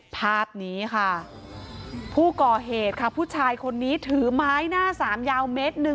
ภาพนี้ค่ะผู้ก่อเหตุค่ะผู้ชายคนนี้ถือไม้หน้าสามยาวเมตรหนึ่ง